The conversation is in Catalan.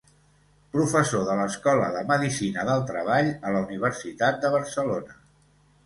Professor de l'Escola de Medicina del Treball, a la Universitat de Barcelona.